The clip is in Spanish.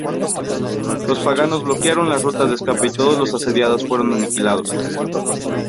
Los paganos bloquearon las rutas de escape y todos los asediados fueron aniquilados.